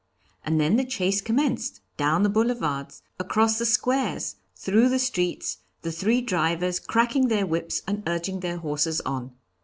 And then the chase commenced, down the boulevards, across the squares, through the streets, the three drivers cracking their whips and urging their horses on.